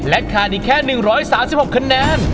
ขาดอีกแค่๑๓๖คะแนน